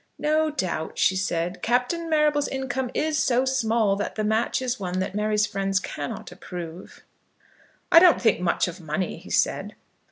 "No doubt," she said, "Captain Marrable's income is so small that the match is one that Mary's friends cannot approve." "I don't think much of money," he said.